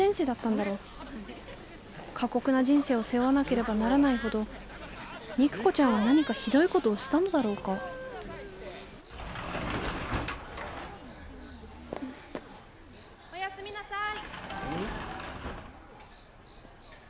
過酷な人生を背負わなければならないほど肉子ちゃんは何かひどいことをしたのだろうかおやすみなさい。